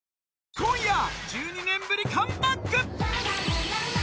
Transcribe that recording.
今夜、１２年ぶりカムバック！